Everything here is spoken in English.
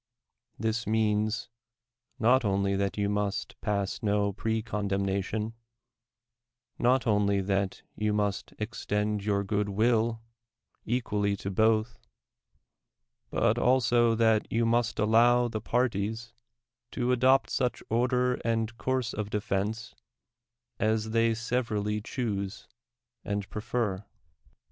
This means, not only that j'ou must pass no pre condemnation, not only that 3 ou must extend your good will equally to both, but also that you must allow the parties to adopt such order and course of defense as they severally choose and prefer.